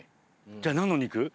じゃあ何の肉？